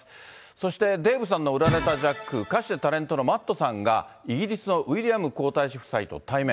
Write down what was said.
そしてデーブさんの裏ネタジャック、歌手でタレントのＭａｔｔさんが、イギリスのウィリアム皇太子夫妻と対面。